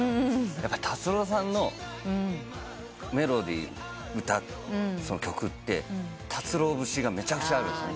やっぱり達郎さんのメロディー歌曲って達郎節がめちゃくちゃあるんです。